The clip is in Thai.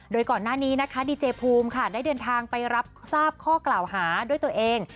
โดยก่อนหน้านี้นะคะดีเจภูมิค่ะได้เดินทางไปรับทราบข้อกล่าวหาด้วยตัวเอง